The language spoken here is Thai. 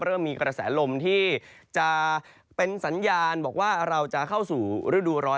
เริ่มมีกระแสลมที่จะเป็นสัญญาณบอกว่าเราจะเข้าสู่ฤดูร้อน